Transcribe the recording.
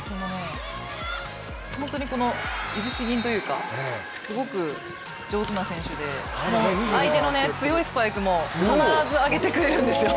本当にこの、いぶし銀というかすごく上手な選手で相手の強いスパイクも必ず上げてくれるんですよ。